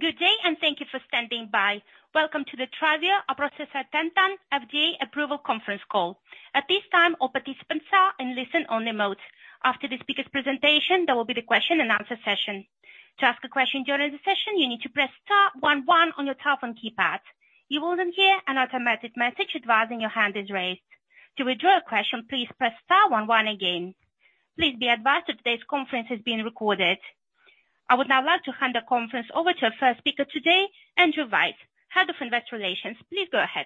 Good day, and thank you for standing by. Welcome to the TRYVIO Aprocitentan FDA Approval Conference Call. At this time, all participants are in listen-only mode. After the speaker's presentation, there will be the question-and-answer session. To ask a question during the session, you need to press star one one on your telephone keypad. You will then hear an automatic message advising your hand is raised. To withdraw a question, please press star one one again. Please be advised that today's conference is being recorded. I would now like to hand the conference over to our first speaker today, Andrew Weiss, Head of Investor Relations. Please go ahead.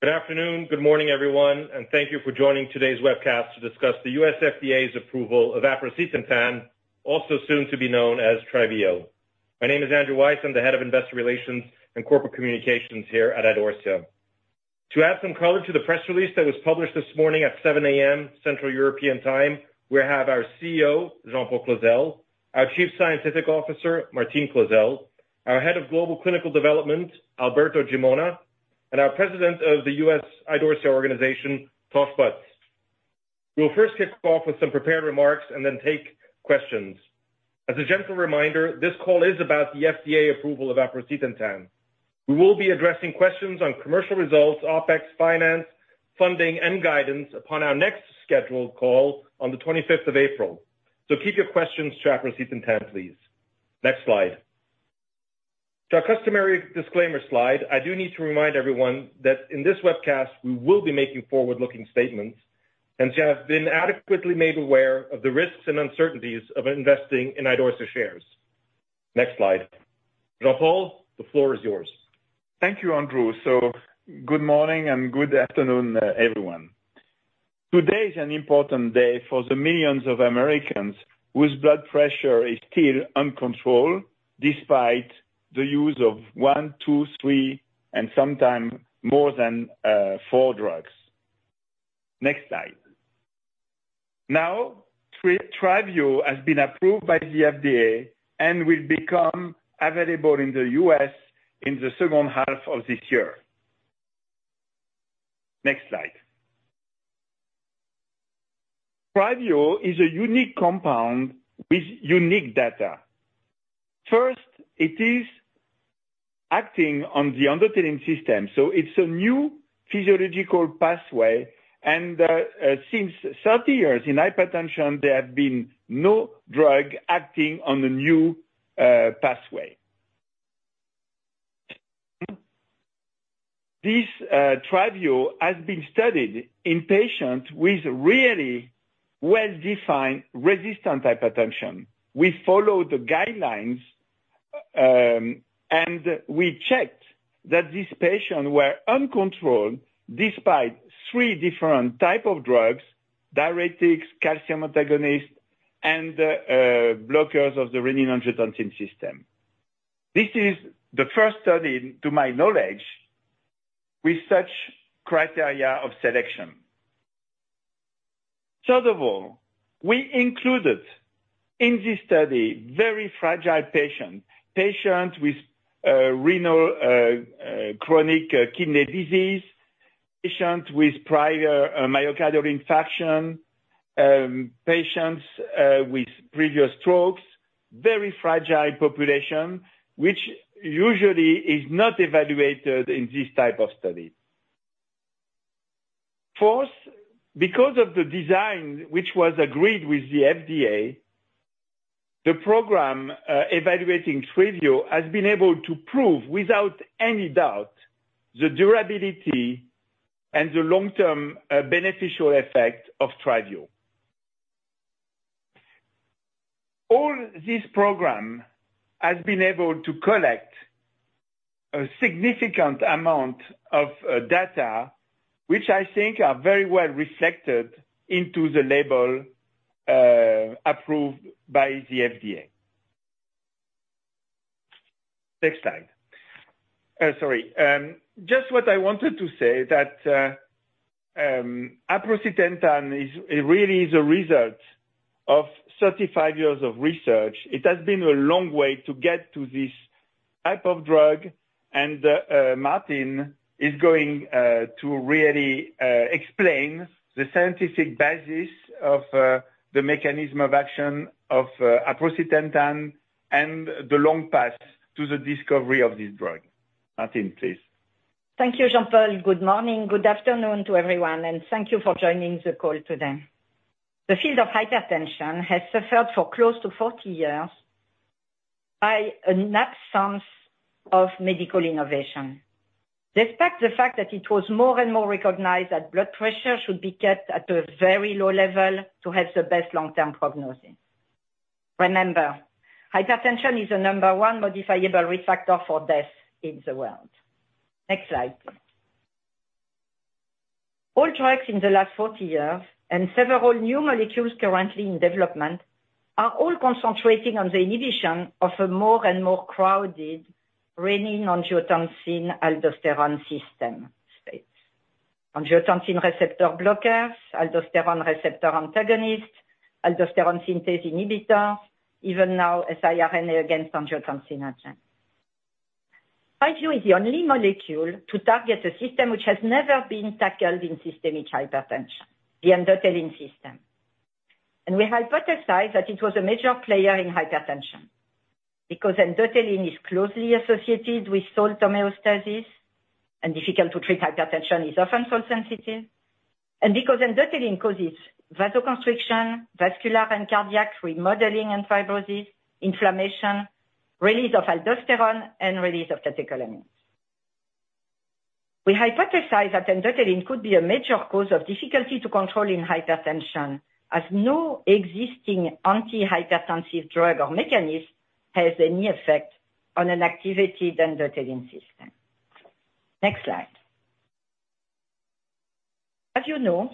Good afternoon. Good morning, everyone. Thank you for joining today's webcast to discuss the US FDA's approval of aprocitentan, also soon to be known as TRYVIO. My name is Andrew Weiss. I'm the Head of Investor Relations and Corporate Communications here at Idorsia. To add some color to the press release that was published this morning at 7:00 A.M. Central European Time, we have our CEO, Jean-Paul Clozel, our Chief Scientific Officer, Martine Clozel, our Head of Global Clinical Development, Alberto Gimona, and our President of the US Idorsia organization, Tosh Butt. We will first kick off with some prepared remarks and then take questions. As a gentle reminder, this call is about the FDA approval of aprocitentan. We will be addressing questions on commercial results, OPEX, finance, funding, and guidance upon our next scheduled call on the 25th of April. Keep your questions to aprocitentan, please. Next slide. To our customary disclaimer slide, I do need to remind everyone that in this webcast we will be making forward-looking statements and to have been adequately made aware of the risks and uncertainties of investing in Idorsia shares. Next slide. Jean-Paul, the floor is yours. Thank you, Andrew. So good morning and good afternoon, everyone. Today is an important day for the millions of Americans whose blood pressure is still uncontrolled despite the use of one, two, three, and sometimes more than 4 drugs. Next slide. Now, TRYVIO has been approved by the FDA and will become available in the U.S. in the second half of this year. Next slide. TRYVIO is a unique compound with unique data. First, it is acting on the endothelin system. So it's a new physiological pathway. And since 30 years in hypertension, there have been no drugs acting on a new pathway. This TRYVIO has been studied in patients with really well-defined resistant hypertension. We followed the guidelines, and we checked that these patients were uncontrolled despite three different types of drugs: diuretics, calcium antagonists, and blockers of the renin-angiotensin system. This is the first study, to my knowledge, with such criteria of selection. Third of all, we included in this study very fragile patients, patients with chronic kidney disease, patients with prior myocardial infarction, patients with previous strokes, very fragile population which usually is not evaluated in this type of study. Fourth, because of the design which was agreed with the FDA, the program evaluating TRYVIO has been able to prove, without any doubt, the durability and the long-term beneficial effect of TRYVIO. All this program has been able to collect a significant amount of data which I think are very well reflected into the label approved by the FDA. Next slide. Sorry. Just what I wanted to say, that aprocitentan really is a result of 35 years of research. It has been a long way to get to this type of drug. Martine is going to really explain the scientific basis of the mechanism of action of aprocitentan and the long path to the discovery of this drug. Martine, please. Thank you, Jean-Paul. Good morning. Good afternoon to everyone. And thank you for joining the call today. The field of hypertension has suffered for close to 40 years by an absence of medical innovation. Despite the fact that it was more and more recognized that blood pressure should be kept at a very low level to have the best long-term prognosis. Remember, hypertension is the number one modifiable risk factor for death in the world. Next slide. All drugs in the last 40 years and several new molecules currently in development are all concentrating on the inhibition of a more and more crowded renin-angiotensin-aldosterone system space: angiotensin receptor blockers, aldosterone receptor antagonists, aldosterone synthase inhibitors, even now siRNA against angiotensinogen. TRYVIO is the only molecule to target a system which has never been tackled in systemic hypertension: the endothelin system. We hypothesize that it was a major player in hypertension because endothelin is closely associated with salt homeostasis, and difficult-to-treat hypertension is often salt-sensitive, and because endothelin causes vasoconstriction, vascular and cardiac remodeling and fibrosis, inflammation, release of aldosterone, and release of catecholamines. We hypothesize that endothelin could be a major cause of difficulty to control in hypertension, as no existing antihypertensive drug or mechanism has any effect on an activated endothelin system. Next slide. As you know,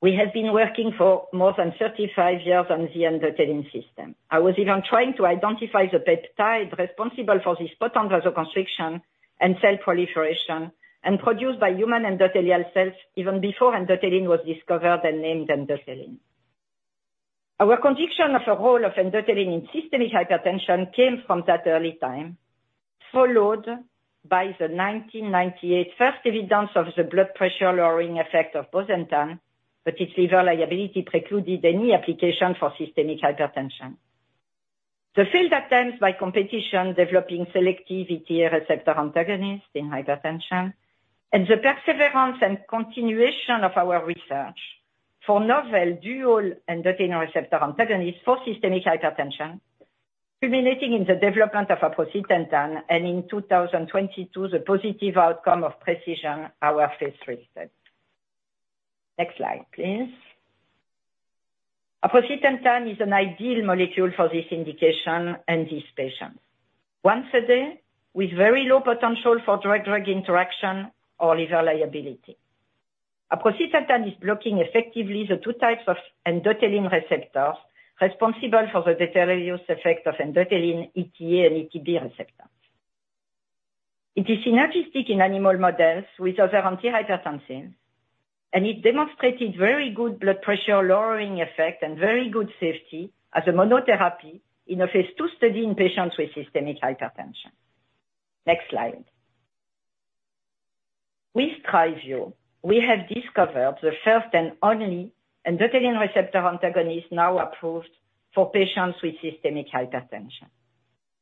we have been working for more than 35 years on the endothelin system. I was even trying to identify the peptide responsible for this potent vasoconstriction and cell proliferation and produced by human endothelial cells even before endothelin was discovered and named endothelin. Our conviction of a role of endothelin in systemic hypertension came from that early time, followed by the 1998 first evidence of the blood pressure-lowering effect of bosentan, but its liver liability precluded any application for systemic hypertension. The failed attempts by competitors developing selective ETA receptor antagonists in hypertension and the perseverance and continuation of our research for novel dual endothelin receptor antagonists for systemic hypertension culminating in the development of aprocitentan and, in 2022, the positive outcome of PRECISION, our Phase III study. Next slide, please. Aprocitentan is an ideal molecule for this indication and these patients: once a day, with very low potential for drug-drug interaction or liver liability. Aprocitentan is blocking effectively the two types of endothelin receptors responsible for the deleterious effect of endothelin ETA and ETB receptors. It is synergistic in animal models with other antihypertensives, and it demonstrated very good blood pressure-lowering effect and very good safety as a monotherapy in a Phase II study in patients with systemic hypertension. Next slide. With TRYVIO, we have discovered the first and only endothelin receptor antagonist now approved for patients with systemic hypertension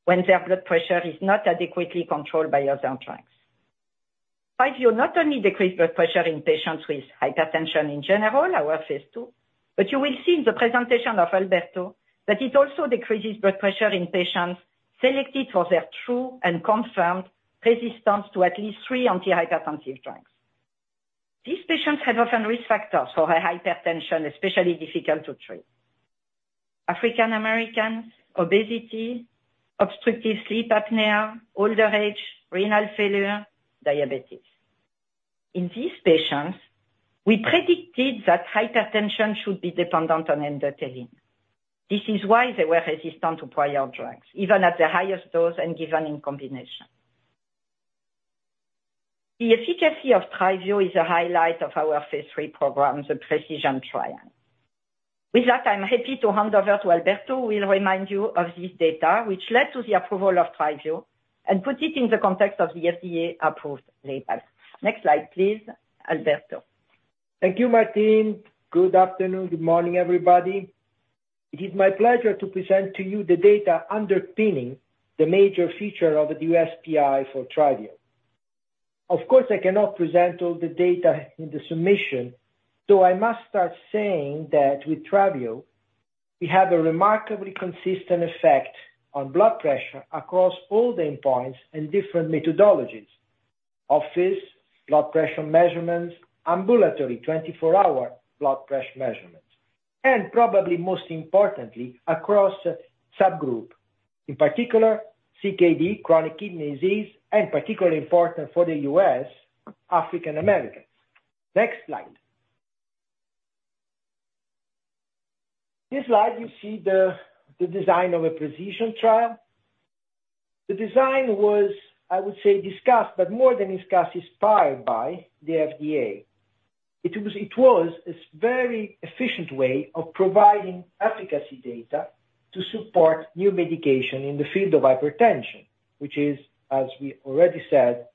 when their blood pressure is not adequately controlled by other drugs. TRYVIO not only decreased blood pressure in patients with hypertension in general, our Phase II, but you will see in the presentation of Alberto that it also decreases blood pressure in patients selected for their true and confirmed resistance to at least three antihypertensive drugs. These patients have often risk factors for hypertension, especially difficult to treat: African Americans, obesity, obstructive sleep apnea, older age, renal failure, diabetes. In these patients, we predicted that hypertension should be dependent on endothelin. This is why they were resistant to prior drugs, even at the highest dose and given in combination. The efficacy of TRYVIO is a highlight of our Phase III program, the PRECISION trial. With that, I'm happy to hand over to Alberto. He will remind you of this data which led to the approval of TRYVIO and put it in the context of the FDA-approved label. Next slide, please, Alberto. Thank you, Martine. Good afternoon. Good morning, everybody. It is my pleasure to present to you the data underpinning the major feature of the USPI for TRYVIO. Of course, I cannot present all the data in the submission, though I must start saying that with TRYVIO, we have a remarkably consistent effect on blood pressure across all the endpoints and different methodologies: office blood pressure measurements, ambulatory 24-hour blood pressure measurements, and probably most importantly, across subgroups, in particular CKD, chronic kidney disease, and particularly important for the U.S., African Americans. Next slide. This slide, you see the design of the PRECISION trial. The design was, I would say, discussed, but more than discussed, inspired by the FDA. It was a very efficient way of providing efficacy data to support new medication in the field of hypertension, which is, as we already said,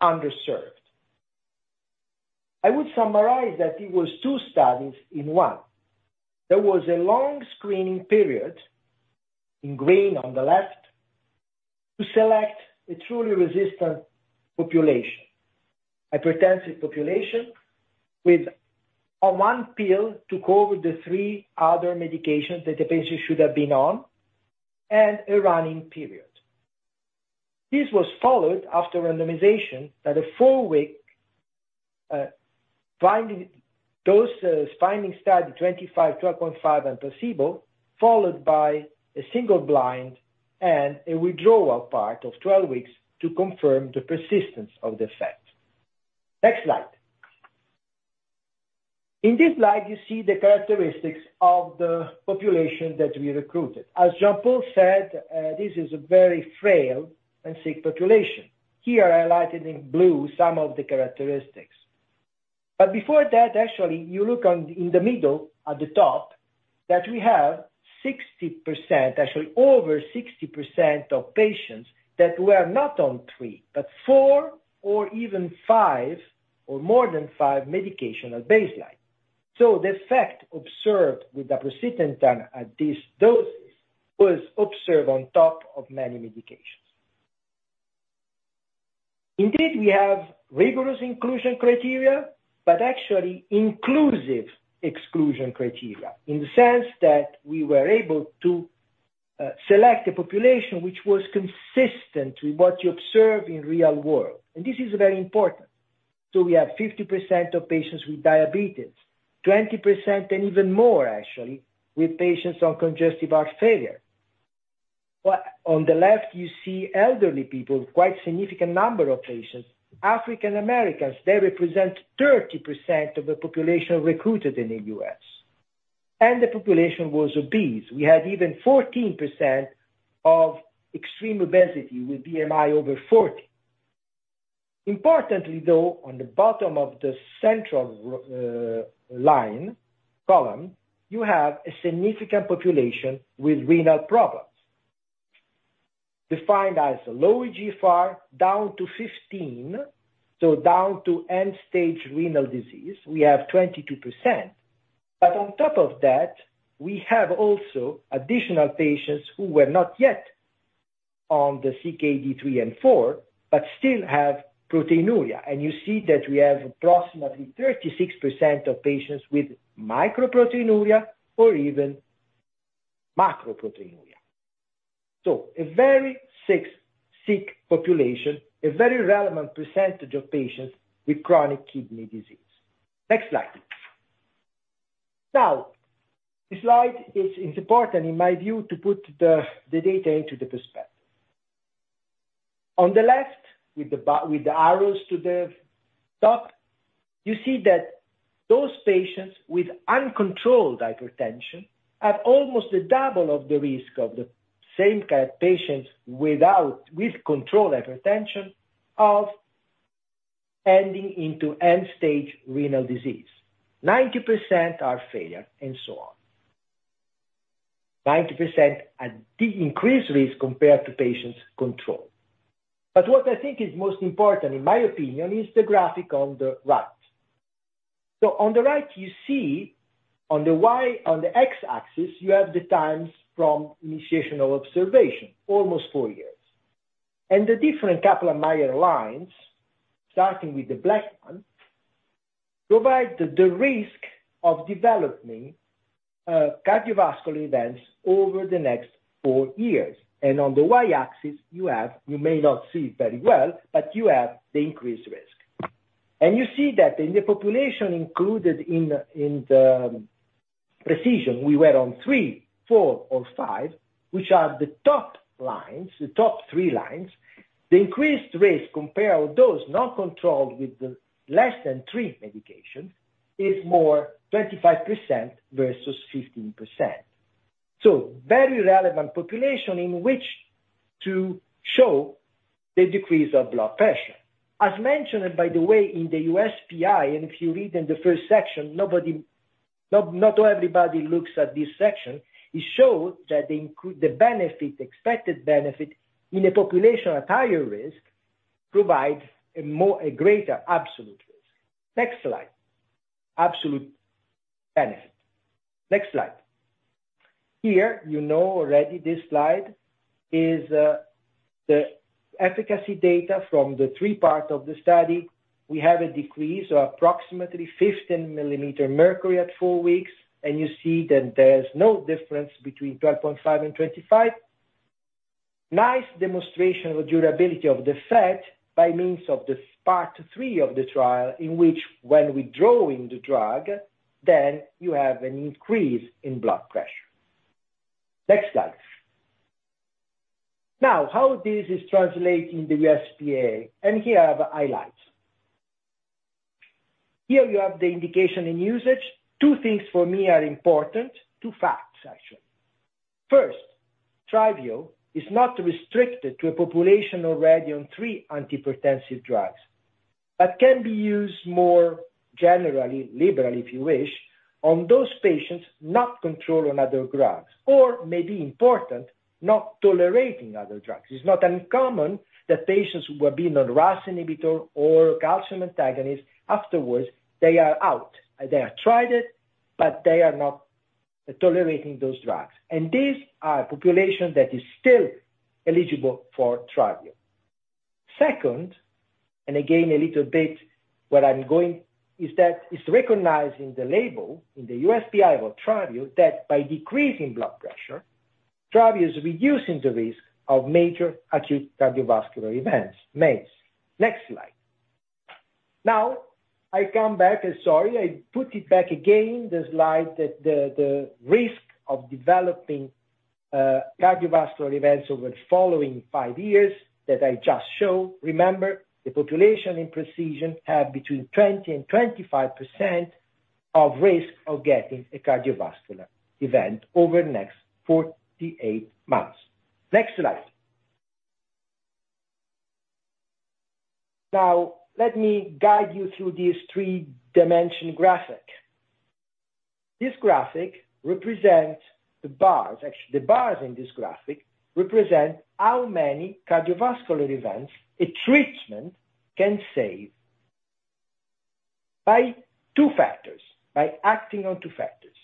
underserved. I would summarize that it was two studies in one. There was a long screening period in green on the left to select a truly resistant population: hypertensive population with one pill to cover the three other medications that the patient should have been on, and a run-in period. This was followed after randomization by the four-week finding study, 25/12.5 and placebo, followed by a single-blind and a withdrawal part of 12 weeks to confirm the persistence of the effect. Next slide. In this slide, you see the characteristics of the population that we recruited. As Jean-Paul said, this is a very frail and sick population. Here I highlighted in blue some of the characteristics. But before that, actually, you look in the middle at the top that we have 60%, actually over 60%, of patients that were not on three, but four or even five or more than five medication at baseline. So the effect observed with aprocitentan at this dose was observed on top of many medications. Indeed, we have rigorous inclusion criteria, but actually inclusive exclusion criteria in the sense that we were able to select a population which was consistent with what you observe in the real world. And this is very important. So we have 50% of patients with diabetes, 20% and even more, actually, with patients on congestive heart failure. On the left, you see elderly people, quite a significant number of patients, African Americans. They represent 30% of the population recruited in the U.S. And the population was obese. We had even 14% of extreme obesity with BMI over 40. Importantly, though, on the bottom of the central line, column, you have a significant population with renal problems defined as a low eGFR down to 15, so down to end-stage renal disease. We have 22%. But on top of that, we have also additional patients who were not yet on the CKD III and IV but still have proteinuria. And you see that we have approximately 36% of patients with microproteinuria or even macroproteinuria. So a very sick population, a very relevant percentage of patients with chronic kidney disease. Next slide. Now, this slide is important, in my view, to put the data into the perspective. On the left, with the arrows to the top, you see that those patients with uncontrolled hypertension have almost the double of the risk of the same kind of patients with controlled hypertension of ending into end-stage renal disease: 90% heart failure and so on, 90% increased risk compared to patients controlled. But what I think is most important, in my opinion, is the graphic on the right. So on the right, you see on the X-axis, you have the times from initiation of observation, almost four years. And the different Kaplan-Meier lines, starting with the black one, provide the risk of developing cardiovascular events over the next four years. And on the Y-axis, you have you may not see it very well, but you have the increased risk. You see that in the population included in the PRECISION, we were on three, four, or five, which are the top lines, the top three lines, the increased risk compared to those not controlled with less than three medications is more: 25% versus 15%. So very relevant population in which to show the decrease of blood pressure. As mentioned, by the way, in the USPI, and if you read in the first section, nobody not everybody looks at this section, it showed that the benefit, expected benefit, in a population at higher risk provides a greater absolute risk. Next slide. Absolute benefit. Next slide. Here, you know already, this slide is the efficacy data from the three parts of the study. We have a decrease of approximately 15 millimeter mercury at four weeks. And you see that there's no difference between 12.5 and 25. Nice demonstration of the durability of the effect by means of the part three of the trial in which, when withdrawing the drug, then you have an increase in blood pressure. Next slide. Now, how this is translated in the USPI? Here I have highlights. Here you have the indication and usage. Two things for me are important, two facts, actually. First, TRYVIO is not restricted to a population already on three antihypertensive drugs but can be used more generally, liberally, if you wish, on those patients not controlled on other drugs or, maybe important, not tolerating other drugs. It's not uncommon that patients who have been on RAAS inhibitor or calcium antagonist, afterwards, they are out. They have tried it, but they are not tolerating those drugs. These are a population that is still eligible for TRYVIO. Second, and again, a little bit where I'm going, is that it's recognized in the label, in the USPI about TRYVIO, that by decreasing blood pressure, TRYVIO is reducing the risk of MACE. Next slide. Now, I come back. Sorry. I put it back again, the slide, that the risk of developing cardiovascular events over the following five years that I just showed. Remember, the population in PRECISION has between 20%-25% of risk of getting a cardiovascular event over the next 48 months. Next slide. Now, let me guide you through this three-dimensional graphic. This graphic represents the bars. Actually, the bars in this graphic represent how many cardiovascular events a treatment can save by two factors, by acting on two factors: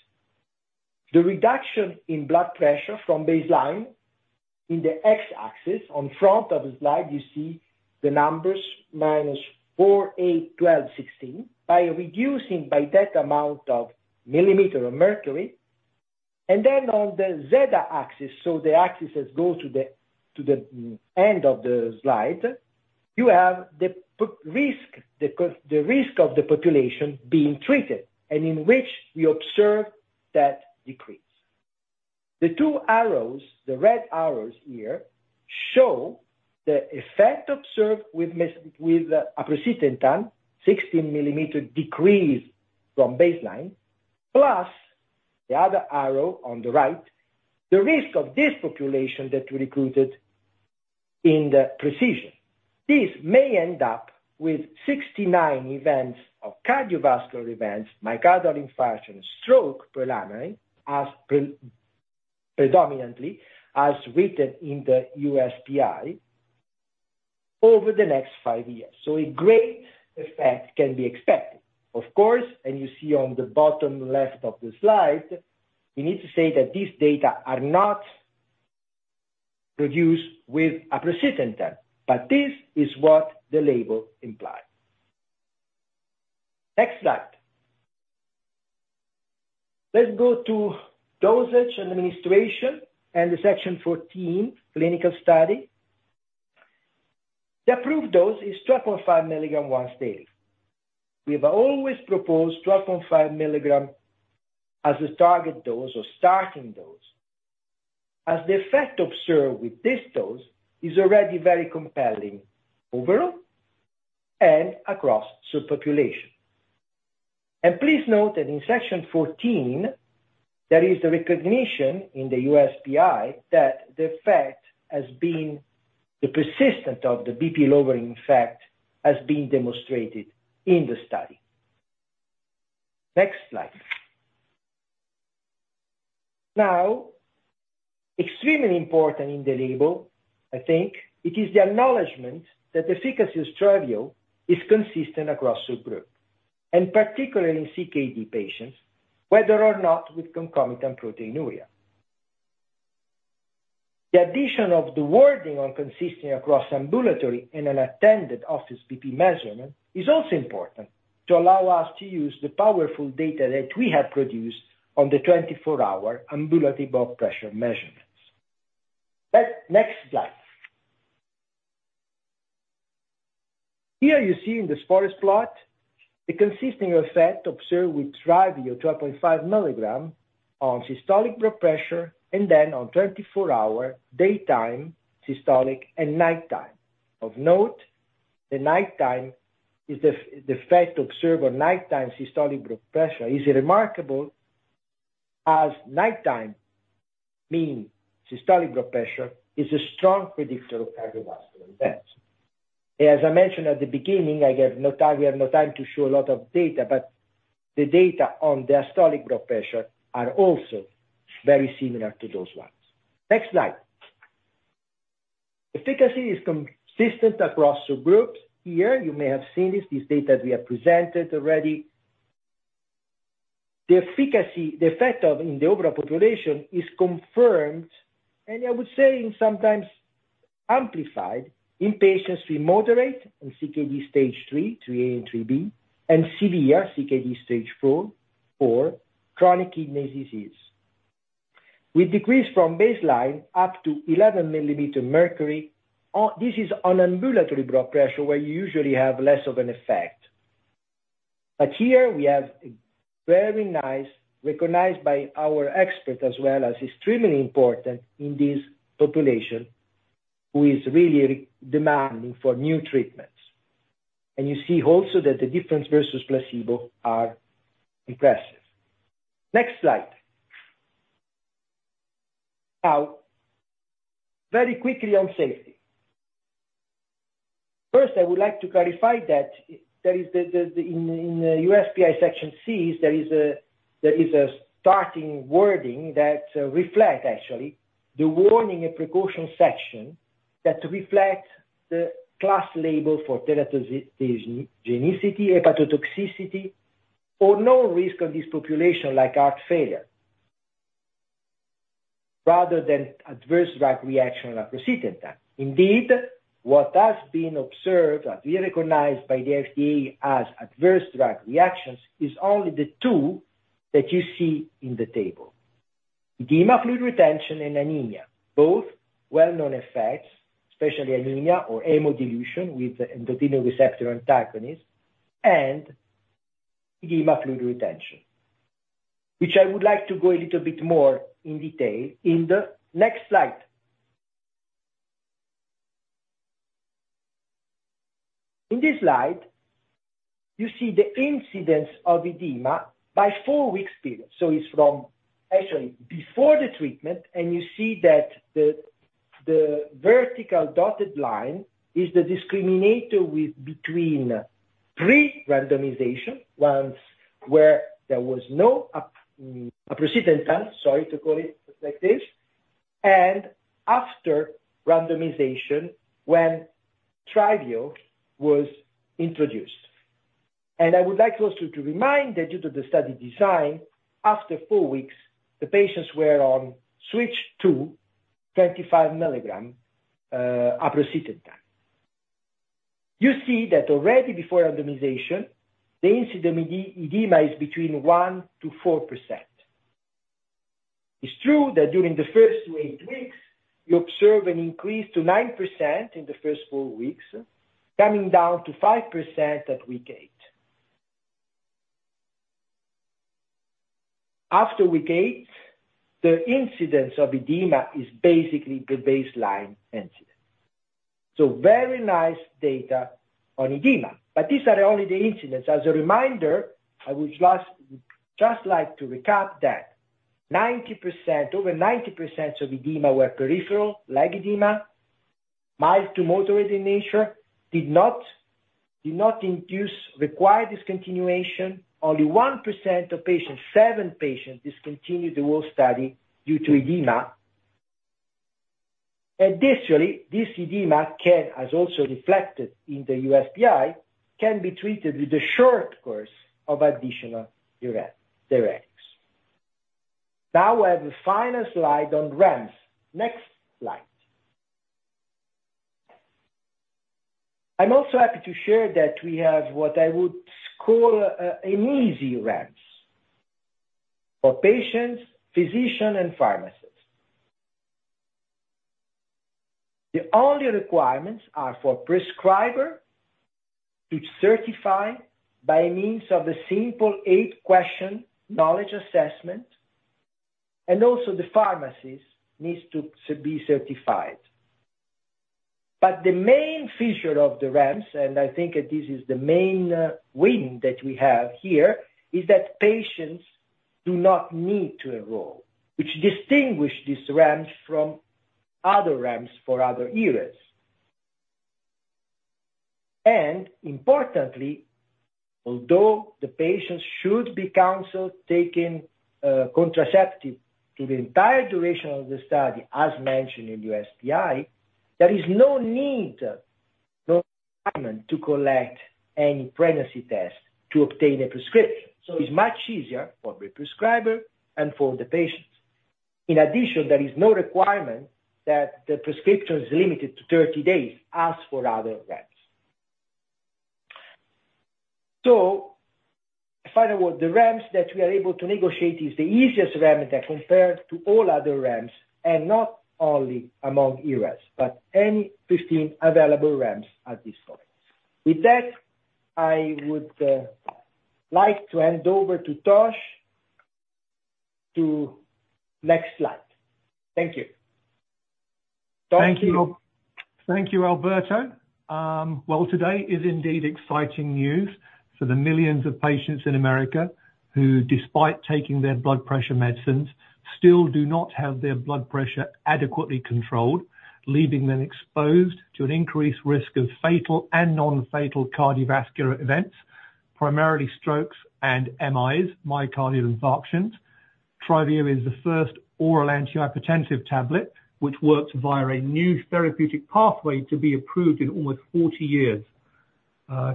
the reduction in blood pressure from baseline in the X-axis. On the front of the slide, you see the numbers -4, 8, 12, 16 by reducing by that amount of millimeter of mercury. Then on the Z-axis, so the axes go to the end of the slide, you have the risk of the population being treated and in which we observe that decrease. The two arrows, the red arrows here, show the effect observed with aprocitentan, 16 millimeter decrease from baseline, plus the other arrow on the right, the risk of this population that we recruited in the PRECISION. This may end up with 69 events of cardiovascular events, myocardial infarction, stroke predominantly, as written in the USPI, over the next five years. So a great effect can be expected, of course. You see on the bottom left of the slide, we need to say that these data are not produced with aprocitentan, but this is what the label implies. Next slide. Let's go to dosage and administration and the Section 14, clinical study. The approved dose is 12.5 milligrams once daily. We have always proposed 12.5 milligrams as a target dose or starting dose, as the effect observed with this dose is already very compelling overall and across subpopulations. Please note that in Section 14, there is the recognition in the USPI that the effect has been the persistence of the BP-lowering effect has been demonstrated in the study. Next slide. Now, extremely important in the label, I think, it is the acknowledgment that the efficacy of TRYVIO is consistent across subgroups, and particularly in CKD patients, whether or not with concomitant proteinuria. The addition of the wording on consistency across ambulatory and unattended office BP measurement is also important to allow us to use the powerful data that we have produced on the 24-hour ambulatory blood pressure measurements. Next slide. Here, you see in the PRECISION plot the consistent effect observed with TRYVIO 12.5 milligrams on systolic blood pressure and then on 24-hour daytime systolic and nighttime. Of note, the nighttime is the effect observed on nighttime systolic blood pressure is remarkable, as nighttime mean systolic blood pressure is a strong predictor of cardiovascular events. As I mentioned at the beginning, I have no time we have no time to show a lot of data, but the data on diastolic blood pressure are also very similar to those ones. Next slide. Efficacy is consistent across subgroups. Here, you may have seen this, this data that we have presented already. The efficacy, the effect in the overall population is confirmed, and I would say sometimes amplified, in patients with moderate and CKD stage III, IIIA and IIIB, and severe CKD stage IV or chronic kidney disease, with decrease from baseline up to 11 mm Hg. This is on ambulatory blood pressure where you usually have less of an effect. But here, we have a very nice, recognized by our experts as well as extremely important in this population who is really demanding for new treatments. And you see also that the difference versus placebo are impressive. Next slide. Now, very quickly on safety. First, I would like to clarify that there is the in the USPI Section 5, there is a starting wording that reflects, actually, the warning and precaution section that reflects the class label for teratogenicity, hepatotoxicity, or no risk on this population like heart failure rather than adverse drug reaction on aprocitentan. Indeed, what has been observed and recognized by the FDA as adverse drug reactions is only the two that you see in the table: edema fluid retention and anemia, both well-known effects, especially anemia or hemodilution with endothelin receptor antagonists, and edema fluid retention, which I would like to go a little bit more in detail in the next slide. In this slide, you see the incidence of edema by four weeks period. So it's from actually before the treatment. You see that the vertical dotted line is the discriminator between pre-randomization, one where there was no aprocitentan, sorry to call it like this, and after randomization when TRYVIO was introduced. I would like also to remind that due to the study design, after four weeks, the patients were switched to 25 milligrams aprocitentan. You see that already before randomization, the incidence of edema is between 1%-4%. It's true that during the first two-eight weeks, you observe an increase to 9% in the first four weeks, coming down to 5% at week eight. After week eight, the incidence of edema is basically the baseline incidence. So very nice data on edema. But these are only the incidences. As a reminder, I would just like to recap that 90%, over 90% of edema were peripheral leg edema, mild to moderate in nature, did not induce required discontinuation. Only 1% of patients, seven patients, discontinued the whole study due to edema. Additionally, this edema can, as also reflected in the USPI, can be treated with a short course of additional diuretics. Now, we have the final slide on REMS. Next slide. I'm also happy to share that we have what I would call an easy REMS for patients, physicians, and pharmacists. The only requirements are for prescriber to certify by means of the simple eight-question knowledge assessment. And also, the pharmacist needs to be certified. But the main feature of the REMS, and I think this is the main win that we have here, is that patients do not need to enroll, which distinguishes this REMS from other REMS for other ERAs. And importantly, although the patients should be counseled taking contraceptive through the entire duration of the study, as mentioned in the USPI, there is no need, no requirement to collect any pregnancy test to obtain a prescription. So it's much easier for the prescriber and for the patients. In addition, there is no requirement that the prescription is limited to 30 days as for other REMS. So I find that the REMS that we are able to negotiate is the easiest REMS compared to all other REMS, and not only among ERAs, but any other available REMS at this point. With that, I would like to hand over to Tosh to next slide. Thank you. Thank you. Thank you, Alberto. Well, today is indeed exciting news for the millions of patients in America who, despite taking their blood pressure medicines, still do not have their blood pressure adequately controlled, leaving them exposed to an increased risk of fatal and non-fatal cardiovascular events, primarily strokes and MIs, myocardial infarctions. TRYVIO is the first oral antihypertensive tablet, which works via a new therapeutic pathway to be approved in almost 40 years.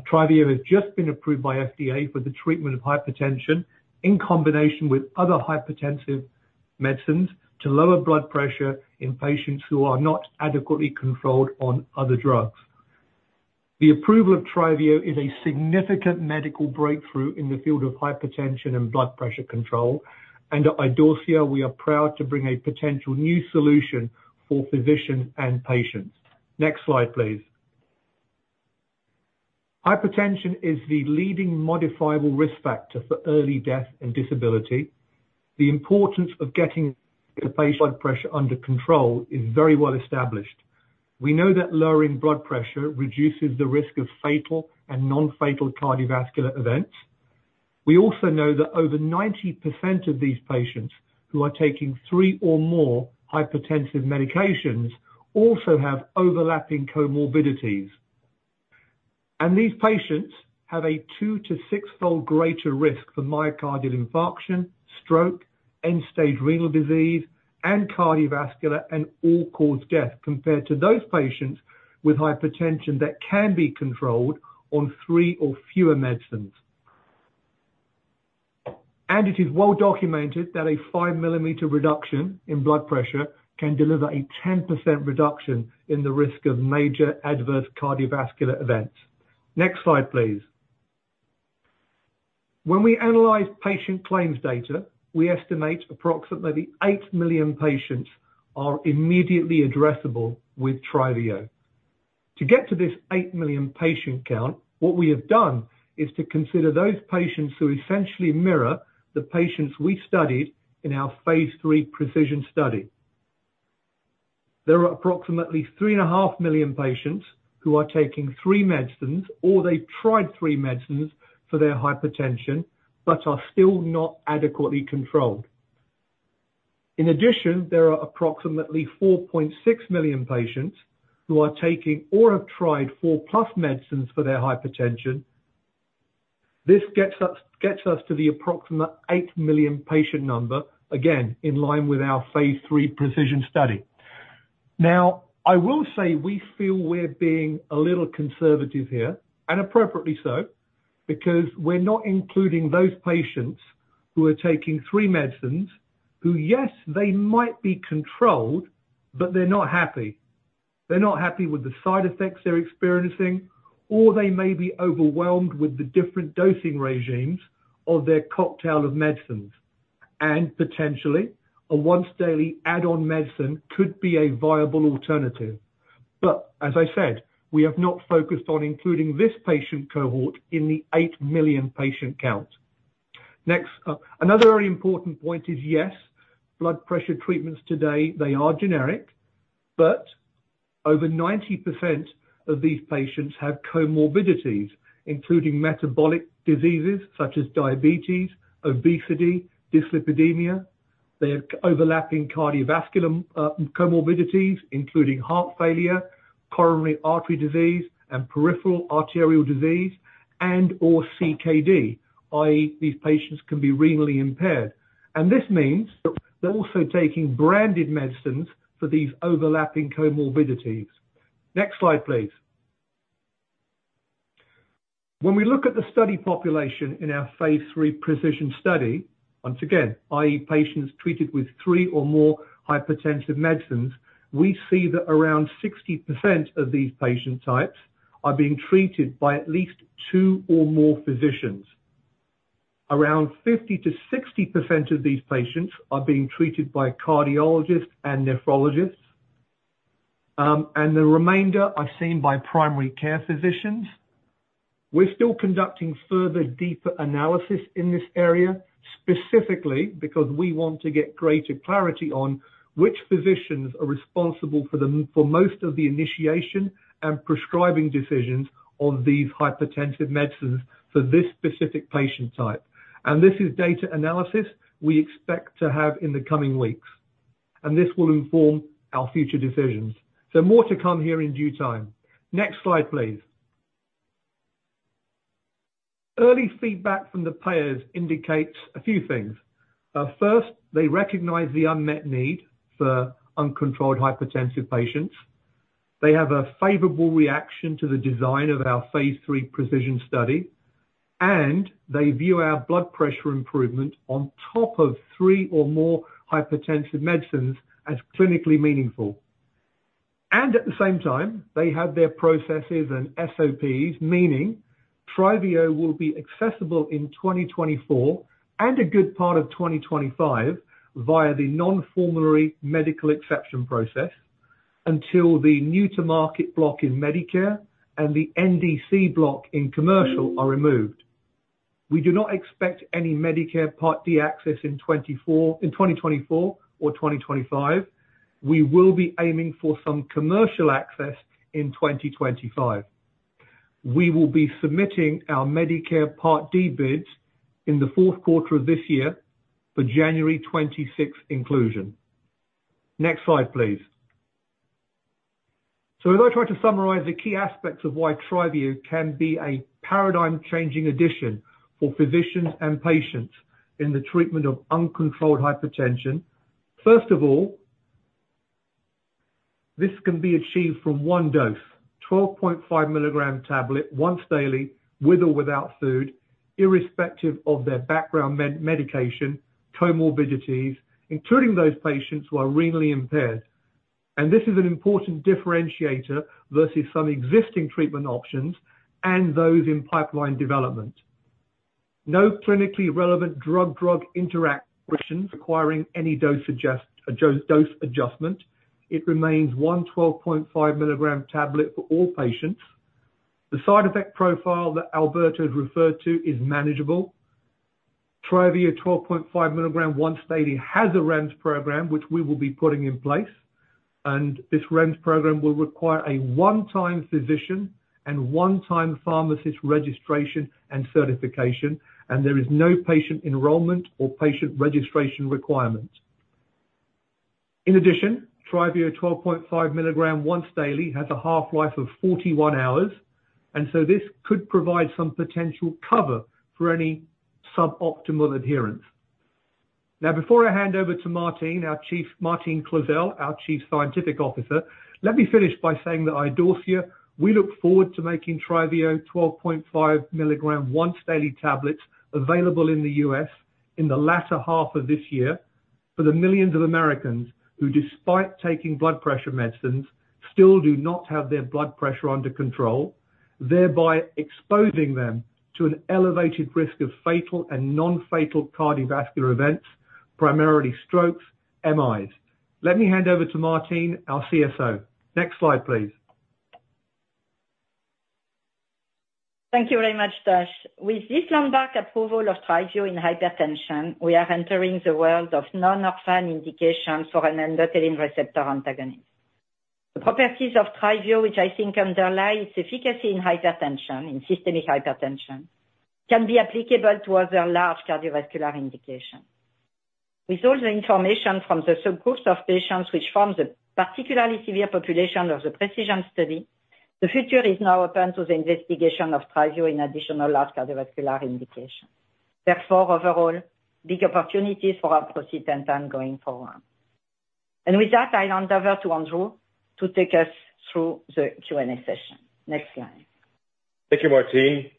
TRYVIO has just been approved by the FDA for the treatment of hypertension in combination with other hypertensive medicines to lower blood pressure in patients who are not adequately controlled on other drugs. The approval of TRYVIO is a significant medical breakthrough in the field of hypertension and blood pressure control. At Idorsia, we are proud to bring a potential new solution for physicians and patients. Next slide, please. Hypertension is the leading modifiable risk factor for early death and disability. The importance of getting the patient's blood pressure under control is very well established. We know that lowering blood pressure reduces the risk of fatal and non-fatal cardiovascular events. We also know that over 90% of these patients who are taking three or more hypertensive medications also have overlapping comorbidities. These patients have a two to six-fold greater risk for myocardial infarction, stroke, end-stage renal disease, and cardiovascular and all-cause death compared to those patients with hypertension that can be controlled on three or fewer medicines. It is well documented that a five millimeter reduction in blood pressure can deliver a 10% reduction in the risk of major adverse cardiovascular events. Next slide, please. When we analyze patient claims data, we estimate approximately eight million patients are immediately addressable with TRYVIO. To get to this eight million patient count, what we have done is to consider those patients who essentially mirror the patients we studied in our Phase III PRECISION study. There are approximately 3.5 million patients who are taking three medicines or they tried three medicines for their hypertension but are still not adequately controlled. In addition, there are approximately 4.6 million patients who are taking or have tried four+ medicines for their hypertension. This gets us to the approximate eight million patient number, again, in line with our Phase III PRECISION study. Now, I will say we feel we're being a little conservative here, and appropriately so, because we're not including those patients who are taking three medicines who, yes, they might be controlled, but they're not happy. They're not happy with the side effects they're experiencing, or they may be overwhelmed with the different dosing regimes of their cocktail of medicines. And potentially, a once-daily add-on medicine could be a viable alternative. But as I said, we have not focused on including this patient cohort in the eight million patient count. Next, another very important point is, yes, blood pressure treatments today, they are generic, but over 90% of these patients have comorbidities, including metabolic diseases such as diabetes, obesity, dyslipidemia. They have overlapping cardiovascular comorbidities, including heart failure, coronary artery disease, and peripheral arterial disease, and/or CKD, i.e., these patients can be renally impaired. And this means they're also taking branded medicines for these overlapping comorbidities. Next slide, please. When we look at the study population in our Phase III PRECISION study, once again, i.e., patients treated with three or more hypertensive medicines, we see that around 60% of these patient types are being treated by at least two or more physicians. Around 50%-60% of these patients are being treated by cardiologists and nephrologists. And the remainder are seen by primary care physicians. We're still conducting further, deeper analysis in this area, specifically because we want to get greater clarity on which physicians are responsible for most of the initiation and prescribing decisions on these hypertensive medicines for this specific patient type. And this is data analysis we expect to have in the coming weeks. And this will inform our future decisions. So more to come here in due time. Next slide, please. Early feedback from the payers indicates a few things. First, they recognize the unmet need for uncontrolled hypertensive patients. They have a favorable reaction to the design of our PhaseIII PRECISION study. They view our blood pressure improvement on top of three or more hypertensive medicines as clinically meaningful. At the same time, they have their processes and SOPs, meaning TRYVIO will be accessible in 2024 and a good part of 2025 via the non-formulary medical exception process until the new-to-market block in Medicare and the NDC block in commercial are removed. We do not expect any Medicare Part D access in 2024 or 2025. We will be aiming for some commercial access in 2025. We will be submitting our Medicare Part D bids in the fourth quarter of this year for January 2026 inclusion. Next slide, please. So as I try to summarize the key aspects of why TRYVIO can be a paradigm-changing addition for physicians and patients in the treatment of uncontrolled hypertension, first of all, this can be achieved from one dose, 12.5 milligram tablet once daily with or without food, irrespective of their background medication, comorbidities, including those patients who are renally impaired. And this is an important differentiator versus some existing treatment options and those in pipeline development. No clinically relevant drug-drug interactions requiring any dose adjustment. It remains one 12.5 milligram tablet for all patients. The side effect profile that Alberto has referred to is manageable. TRYVIO, 12.5 milligram once daily, has a REMS program, which we will be putting in place. And this REMS program will require a one-time physician and one-time pharmacist registration and certification. And there is no patient enrollment or patient registration requirement. In addition, TRYVIO, 12.5 milligram once daily, has a half-life of 41 hours. And so this could provide some potential cover for any suboptimal adherence. Now, before I hand over to Martine Clozel, our Chief Scientific Officer, let me finish by saying that at Idorsia, we look forward to making TRYVIO, 12.5 milligram once daily tablets, available in the US in the latter half of this year for the millions of Americans who, despite taking blood pressure medicines, still do not have their blood pressure under control, thereby exposing them to an elevated risk of fatal and non-fatal cardiovascular events, primarily strokes, MIs. Let me hand over to Martine, our CSO. Next slide, please. Thank you very much, Tosh. With this landmark approval of TRYVIO in hypertension, we are entering the world of non-orphan indication for an endothelin receptor antagonist. The properties of TRYVIO, which I think underlie its efficacy in hypertension, in systemic hypertension, can be applicable to other large cardiovascular indications. With all the information from the subgroups of patients which form the particularly severe population of the PRECISION study, the future is now open to the investigation of TRYVIO in additional large cardiovascular indications. Therefore, overall, big opportunities for our proceedings and going forward. And with that, I'll hand over to Andrew to take us through the Q&A session. Next slide. Thank you, Martine.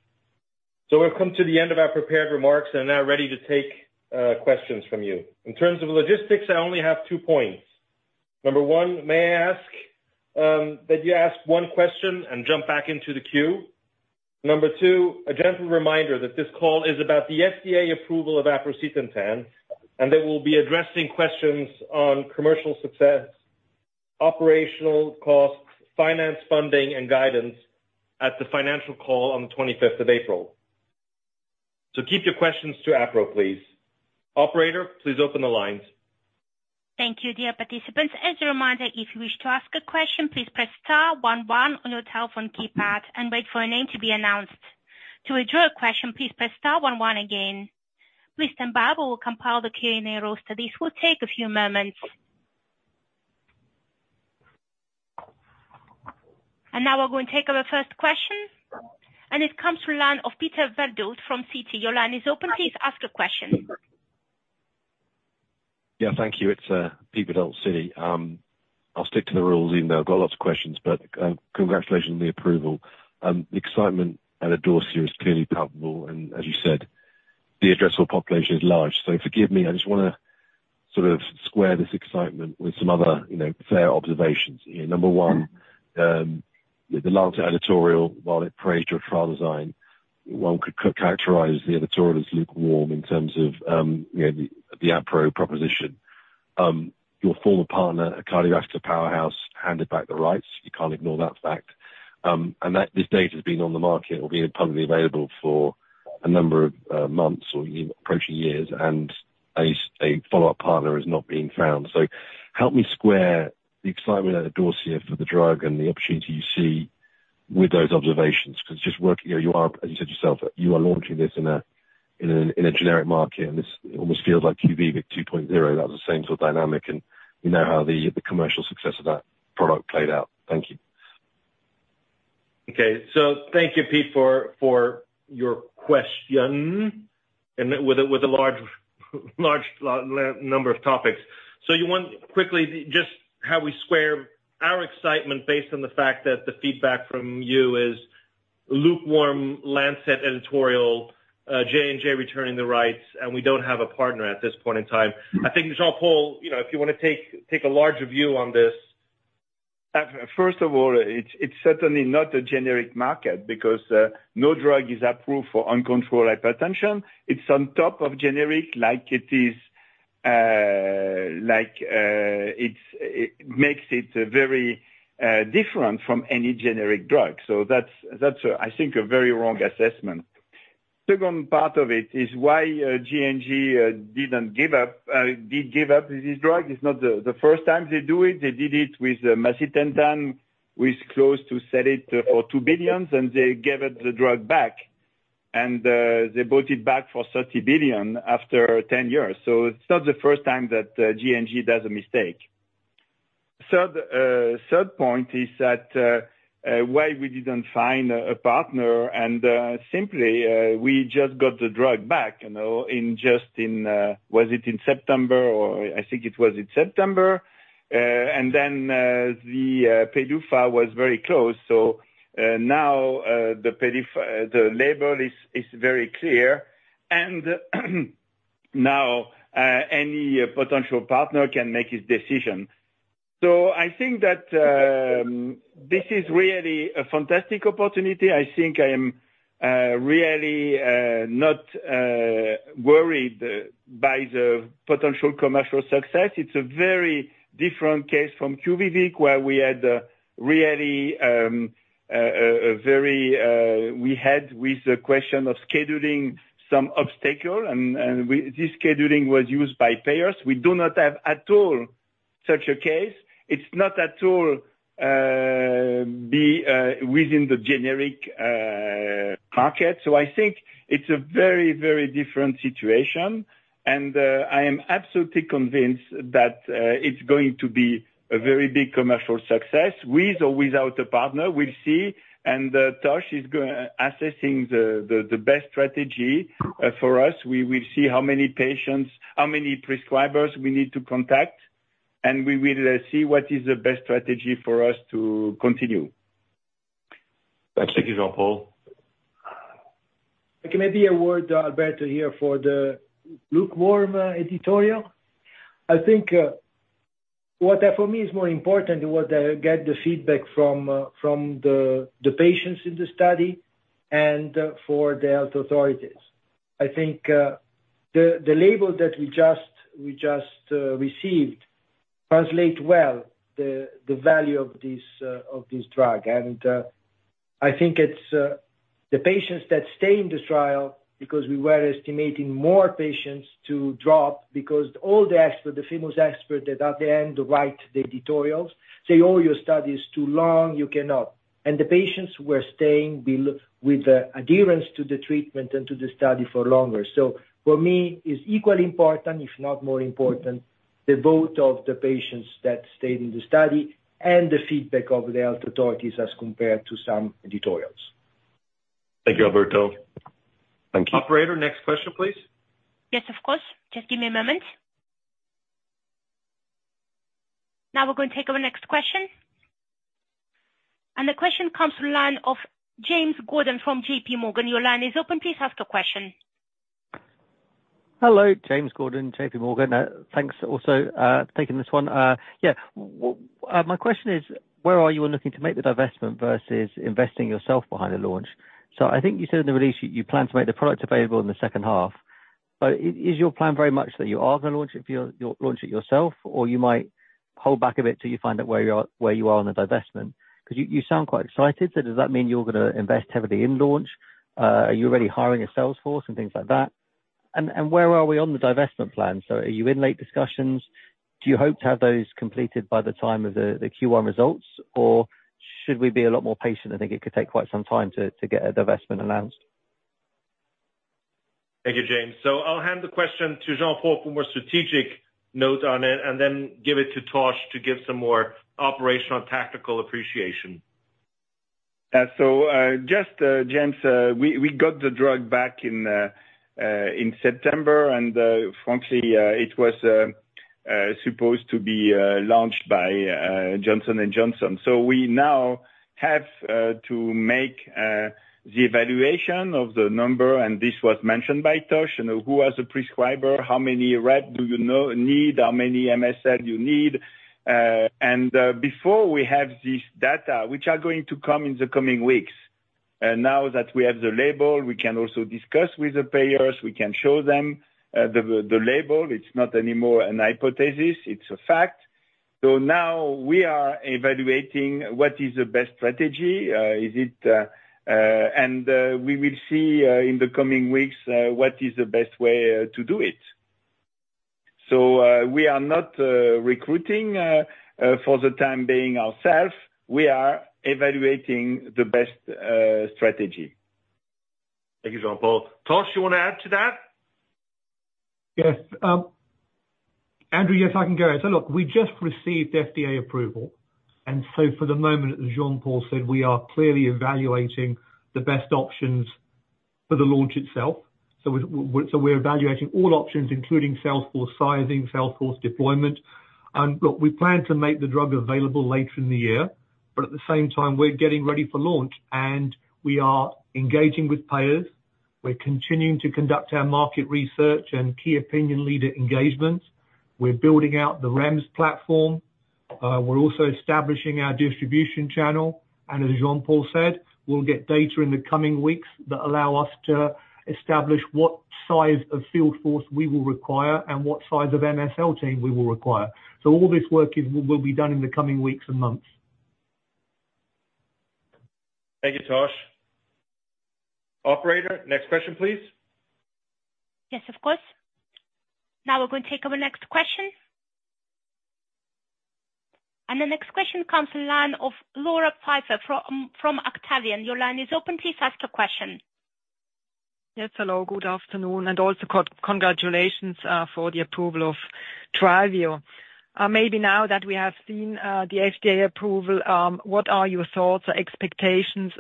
So we've come to the end of our prepared remarks and are now ready to take questions from you. In terms of logistics, I only have two points. Number one, may I ask that you ask one question and jump back into the queue? Number two, a gentle reminder that this call is about the FDA approval of aprocitentan and that we'll be addressing questions on commercial success, operational costs, finance funding, and guidance at the financial call on the 25th of April. So keep your questions to Apro, please. Operator, please open the lines. Thank you, dear participants. As a reminder, if you wish to ask a question, please press star one one on your telephone keypad and wait for a name to be announced. To withdraw a question, please press star one one again. Please stand by, but we'll compile the Q&A roster. This will take a few moments. Now we're going to take our first question. And it comes from Peter Verdult from Citi. Your line is open. Please ask your question. Yeah, thank you. It's Peter Verdult, Citi. I'll stick to the rules even though I've got lots of questions. But congratulations on the approval. The excitement at Idorsia is clearly palpable. And as you said, the addressable population is large. So forgive me. I just want to sort of square this excitement with some other fair observations. Number one, the Lancet editorial, while it praised your trial design, one could characterize the editorial as lukewarm in terms of the aprocitentan proposition. Your former partner, a cardiovascular powerhouse, handed back the rights. You can't ignore that fact. And this data has been on the market or been publicly available for a number of months or approaching years. And a follow-up partner has not been found. So help me square the excitement at Idorsia for the drug and the opportunity you see with those observations because it's just working as you said yourself, you are launching this in a generic market. And this almost feels like QUVIVIQ 2.0. That was the same sort of dynamic. And you know how the commercial success of that product played out. Thank you. Okay. So thank you, Peter, for your question with a large number of topics. So you want quickly just how we square our excitement based on the fact that the feedback from you is lukewarm Lancet editorial, J&J returning the rights, and we don't have a partner at this point in time. I think, Jean-Paul, if you want to take a larger view on this. First of all, it's certainly not a generic market because no drug is approved for uncontrolled hypertension. It's on top of generic like it is it makes it very different from any generic drug. So that's, I think, a very wrong assessment. Second part of it is why J&J didn't give up this drug. It's not the first time they do it. They did it with aprocitentan, which is close to sell it for $2 billion. And they gave it the drug back. And they bought it back for $30 billion after 10 years. So it's not the first time that J&J does a mistake. Third point is that why we didn't find a partner. And simply, we just got the drug back just in was it in September? I think it was in September. And then the PDUFA was very close. So now the label is very clear. And now any potential partner can make his decision. So I think that this is really a fantastic opportunity. I think I am really not worried by the potential commercial success. It's a very different case from QUVIVIQ where we had with the question of scheduling some obstacle. And this scheduling was used by payers. We do not have at all such a case. It's not at all to be within the generic market. So I think it's a very, very different situation. I am absolutely convinced that it's going to be a very big commercial success with or without a partner. We'll see. Tosh is assessing the best strategy for us. We will see how many patients, how many prescribers we need to contact. We will see what is the best strategy for us to continue. Thank you. Thank you, Jean-Paul. Can I give a word to Alberto here for the lukewarm editorial? I think what for me is more important is the feedback I got from the patients in the study and from the health authorities. I think the label that we just received translates well the value of this drug. I think it's the patients that stay in the trial because we were estimating more patients to drop because all the experts, the famous experts that at the end write the editorials, say, "Oh, your study is too long. You cannot." And the patients were staying with adherence to the treatment and to the study for longer. So for me, it's equally important, if not more important, the vote of the patients that stayed in the study and the feedback of the health authorities as compared to some editorials. Thank you, Alberto. Thank you. Operator, next question, please. Yes, of course. Just give me a moment. Now we're going to take over next question. And the question comes from the line of James Gordon from J.P. Morgan. Your line is open. Please ask your question. Hello, James Gordon, J.P. Morgan. Thanks also taking this one. Yeah. My question is, where are you looking to make the divestment versus investing yourself behind the launch? So I think you said in the release you plan to make the product available in the second half. But is your plan very much that you are going to launch it yourself, or you might hold back a bit till you find out where you are on the divestment? Because you sound quite excited. So does that mean you're going to invest heavily in launch? Are you already hiring a sales force and things like that? And where are we on the divestment plan? So are you in late discussions? Do you hope to have those completed by the time of the Q1 results, or should we be a lot more patient? I think it could take quite some time to get a divestment announced. Thank you, James. So I'll hand the question to Jean-Paul for more strategic note on it and then give it to Tosh to give some more operational tactical appreciation. So just, James, we got the drug back in September. And frankly, it was supposed to be launched by Johnson & Johnson. So we now have to make the evaluation of the number. And this was mentioned by Tosh. Who was the prescriber? How many rep do you need? How many MSL do you need? And before, we have this data, which are going to come in the coming weeks. Now that we have the label, we can also discuss with the payers. We can show them the label. It's not anymore an hypothesis. It's a fact. So now we are evaluating what is the best strategy. Is it, and we will see in the coming weeks what is the best way to do it. We are not recruiting for the time being ourselves. We are evaluating the best strategy. Thank you, Jean-Paul. Tosh, you want to add to that? Yes. Andrew, yes, I can go ahead. Look, we just received FDA approval. For the moment, as Jean-Paul said, we are clearly evaluating the best options for the launch itself. We're evaluating all options, including sales force sizing, sales force deployment. Look, we plan to make the drug available later in the year. But at the same time, we're getting ready for launch. We are engaging with payers. We're continuing to conduct our market research and key opinion leader engagements. We're building out the REMS platform. We're also establishing our distribution channel. As Jean-Paul said, we'll get data in the coming weeks that allow us to establish what size of field force we will require and what size of MSL team we will require. All this work will be done in the coming weeks and months. Thank you, Tosh. Operator, next question, please. Yes, of course. Now we're going to take over next question. The next question comes from the line of Laura Pieper from Octavian. Your line is open. Please ask your question. Yes, hello. Good afternoon. And also congratulations for the approval of TRYVIO. Maybe now that we have seen the FDA approval, what are your thoughts or expectations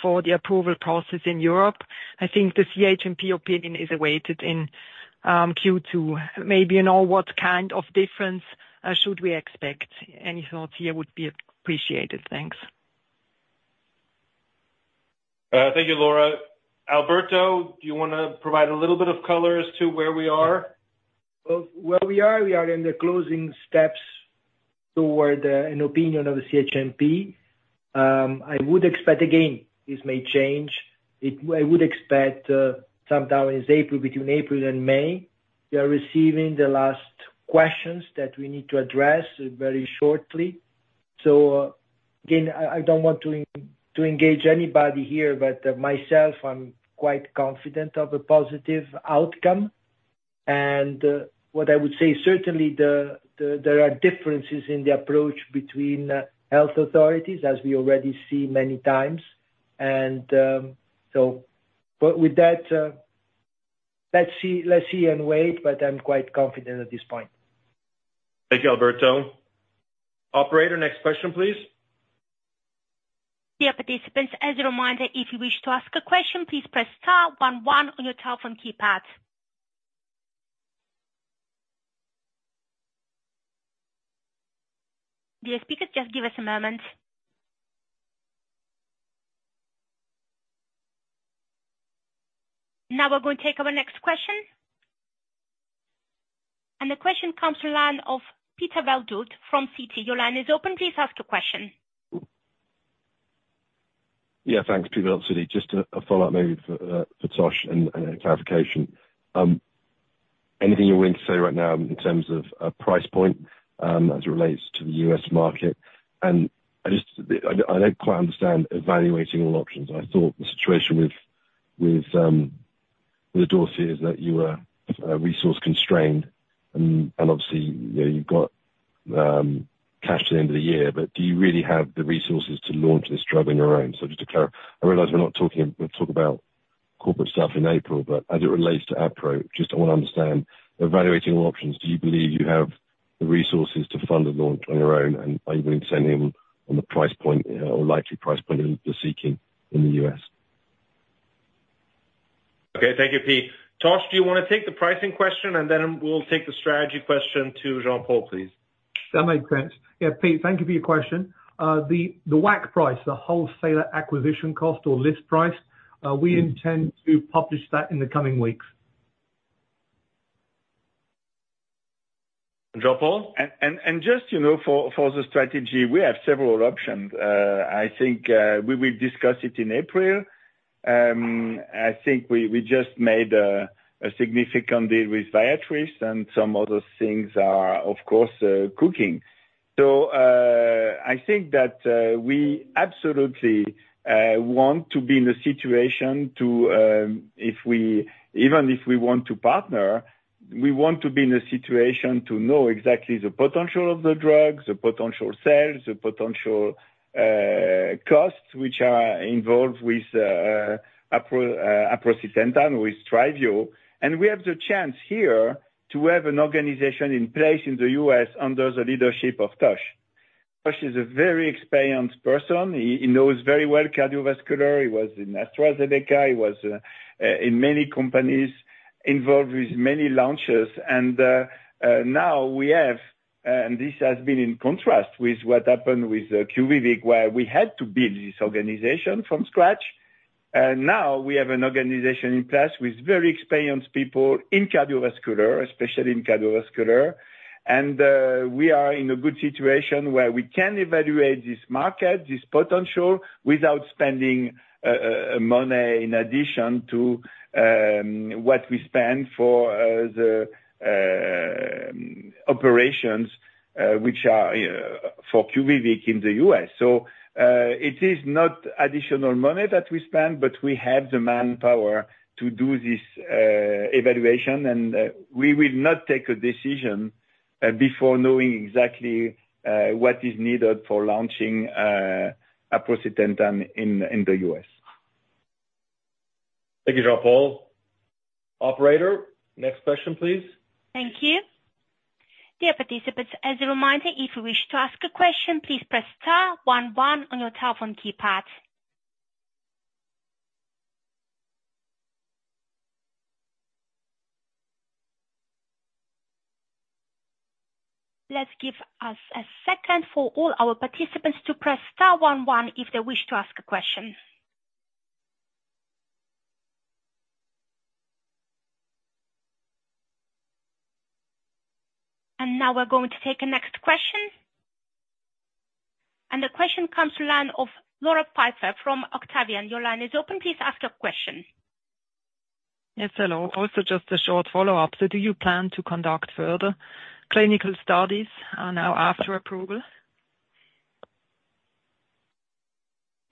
for the approval process in Europe? I think the CHMP opinion is awaited in Q2. Maybe you know what kind of difference should we expect. Any thoughts here would be appreciated. Thank you, Laura. Alberto, do you want to provide a little bit of color as to where we are? Well, where we are, we are in the closing steps toward an opinion of the CHMP. I would expect again, this may change, I would expect sometime in April, between April and May, we are receiving the last questions that we need to address very shortly. So again, I don't want to engage anybody here. But myself, I'm quite confident of a positive outcome. And what I would say, certainly, there are differences in the approach between health authorities, as we already see many times. And so with that, let's see and wait. But I'm quite confident at this point. Thank you, Alberto. Operator, next question, please. Dear participants, as a reminder, if you wish to ask a question, please press star one one on your telephone keypad. Dear speakers, just give us a moment. Now we're going to take over next question. And the question comes from the line of Peter Verdult from Citi. Your line is open. Please ask your question. Yeah, thanks, Peter Verdult, Citi. Just a follow-up maybe for Tosh and a clarification. Anything you're willing to say right now in terms of price point as it relates to the US market? And I don't quite understand evaluating all options. I thought the situation with Idorsia is that you were resource-constrained. And obviously, you've got cash to the end of the year. But do you really have the resources to launch this drug on your own? So just to clarify, I realize we're not talking we'll talk about corporate stuff in April. But as it relates to aprocitentan, just I want to understand, evaluating all options, do you believe you have the resources to fund the launch on your own? Are you willing to weigh in on the price point or likely price point you're seeking in the U.S.? Okay. Thank you, Peter. Tosh, do you want to take the pricing question? Then we'll take the strategy question to Jean-Paul, please. That makes sense. Yeah, Peter, thank you for your question. The WAC price, the wholesaler acquisition cost or list price, we intend to publish that in the coming weeks. Jean-Paul? Just for the strategy, we have several options. I think we will discuss it in April. I think we just made a significant deal with Viatris. Some other things are, of course, cooking. So I think that we absolutely want to be in a situation to even if we want to partner, we want to be in a situation to know exactly the potential of the drug, the potential sales, the potential costs, which are involved with aprocitentan or with TRYVIO. And we have the chance here to have an organization in place in the US under the leadership of Tosh. Tosh is a very experienced person. He knows very well cardiovascular. He was in AstraZeneca. He was in many companies, involved with many launches. And now we have and this has been in contrast with what happened with QUVIVIQ where we had to build this organization from scratch. And now we have an organization in place with very experienced people in cardiovascular, especially in cardiovascular. And we are in a good situation where we can evaluate this market, this potential without spending money in addition to what we spend for the operations, which are for QUVIVIQ in the US. So it is not additional money that we spend, but we have the manpower to do this evaluation. And we will not take a decision before knowing exactly what is needed for launching aprocitentan in the US. Thank you, Jean-Paul. Operator, next question, please. Thank you. Dear participants, as a reminder, if you wish to ask a question, please press star one one on your telephone keypad. Let's give us a second for all our participants to press star one one if they wish to ask a question. And now we're going to take a next question. And the question comes from the line of Laura Pieper from Octavian. Your line is open. Please ask your question. Yes, hello. Also just a short follow-up. So do you plan to conduct further clinical studies now after approval?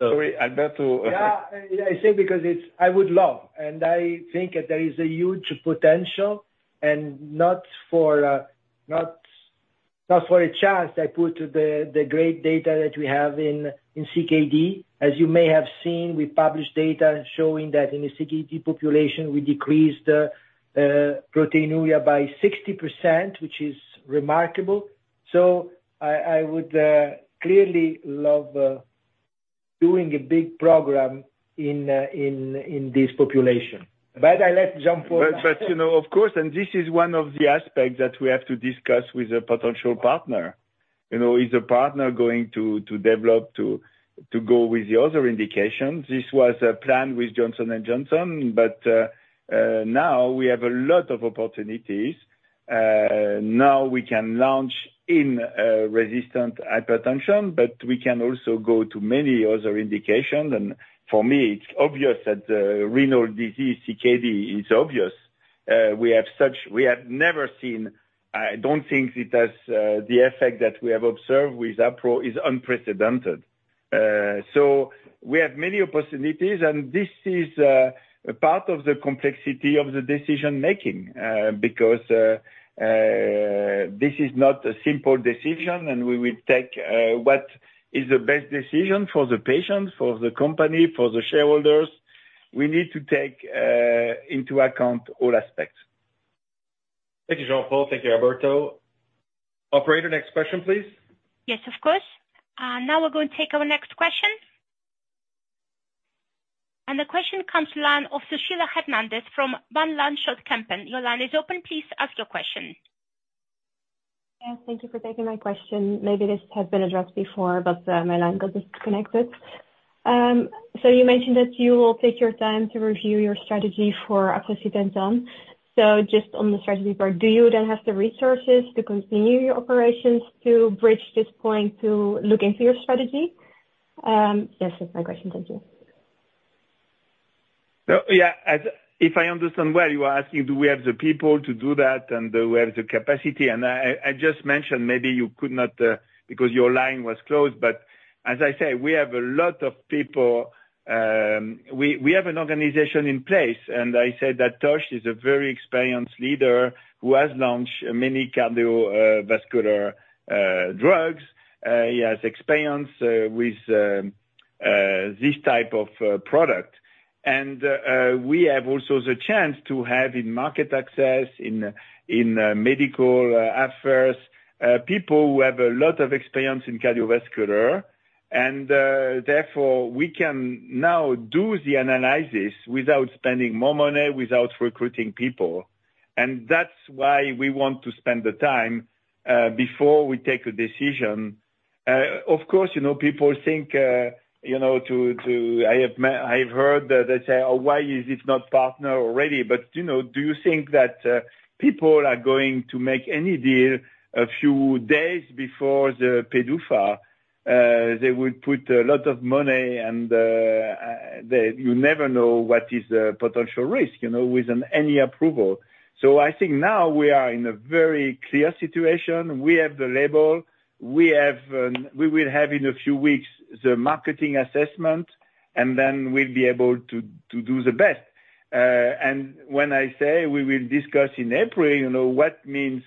Sorry, Alberto. Yeah, I say because I would love. And I think that there is a huge potential. And not for a chance, I put the great data that we have in CKD. As you may have seen, we published data showing that in the CKD population, we decreased proteinuria by 60%, which is remarkable. So I would clearly love doing a big program in this population. But I let Jean-Paul ask. But of course, and this is one of the aspects that we have to discuss with a potential partner. Is the partner going to develop to go with the other indications? This was a plan with Johnson & Johnson. But now we have a lot of opportunities. Now we can launch in resistant hypertension. But we can also go to many other indications. And for me, it's obvious that renal disease, CKD, is obvious. We have never seen. I don't think it has the effect that we have observed with Apro is unprecedented. So we have many opportunities. And this is part of the complexity of the decision-making because this is not a simple decision. And we will take what is the best decision for the patient, for the company, for the shareholders. We need to take into account all aspects. Thank you, Jean-Paul. Thank you, Alberto. Operator, next question, please. Yes, of course. Now we're going to take our next question. And the question comes from the line of Suzanne van Voorthuizen from Van Lanschot Kempen. Your line is open. Please ask your question. Yeah. Thank you for taking my question. Maybe this has been addressed before, but my line got disconnected. So you mentioned that you will take your time to review your strategy for aprocitentan. So just on the strategy part, do you then have the resources to continue your operations to bridge this point to look into your strategy? Yes, that's my question. Thank you. So yeah, if I understand well, you are asking, do we have the people to do that? And do we have the capacity? And I just mentioned maybe you could not because your line was closed. But as I say, we have a lot of people. We have an organization in place. And I said that Tosh is a very experienced leader who has launched many cardiovascular drugs. He has experience with this type of product. And we have also the chance to have in market access, in medical affairs, people who have a lot of experience in cardiovascular. And therefore, we can now do the analysis without spending more money, without recruiting people. And that's why we want to spend the time before we take a decision. Of course, people think to I have heard that they say, "Oh, why is it not partner already?" But do you think that people are going to make any deal a few days before the PDUFA? They would put a lot of money. And you never know what is the potential risk with any approval. So I think now we are in a very clear situation. We have the label. We will have in a few weeks the marketing assessment. And then we'll be able to do the best. And when I say we will discuss in April what means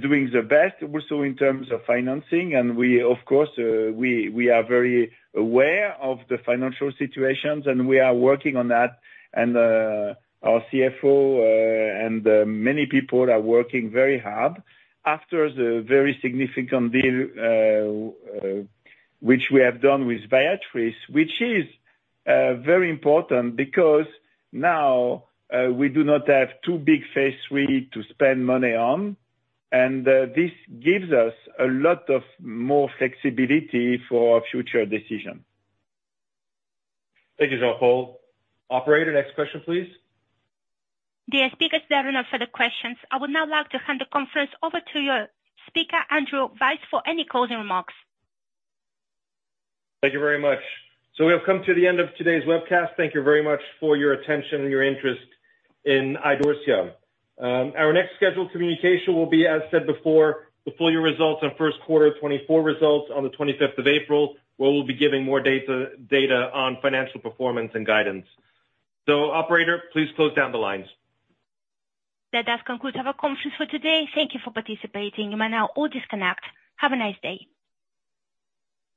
doing the best also in terms of financing. And of course, we are very aware of the financial situations. We are working on that. Our CFO and many people are working very hard after the very significant deal which we have done with Viatris, which is very important because now we do not have two big Phase III to spend money on. This gives us a lot of more flexibility for our future decision. Thank you, Jean-Paul. Operator, next question, please. Dear speakers, there are no further questions. I would now like to hand the conference over to your speaker, Andrew Weiss, for any closing remarks. Thank you very much. We have come to the end of today's webcast. Thank you very much for your attention and your interest in Idorsia. Our next scheduled communication will be, as said before, before your results on first quarter 2024 results on the 25th of April, where we'll be giving more data on financial performance and guidance. Operator, please close down the lines. That does conclude our conference for today. Thank you for participating. You may now all disconnect. Have a nice day.